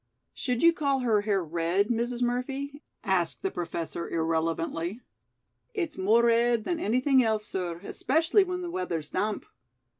"Should you call her hair red, Mrs. Murphy?" asked the Professor irrelevantly. "It's more red than anything else, sir, especially when the weather's damp."